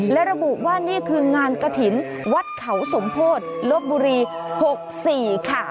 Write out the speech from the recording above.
และระบุว่านี่คืองานกระถิ่นวัดเขาสมโพธิลบบุรี๖๔ค่ะ